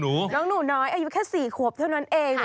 น้องหนูน้อยอายุแค่๔ขวบเท่านั้นเอง